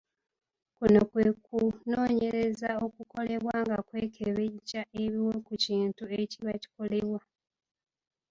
Kuno kwe kunoonyereza okukolebwa nga kwekebejja ebiwe ku kintu ekiba kikolebwa.